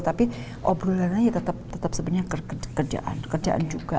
tapi obrolannya tetap sebenarnya kerjaan juga